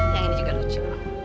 yang ini juga lucu